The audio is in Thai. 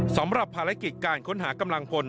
สำหรับภารกิจการค้นหากำลังพล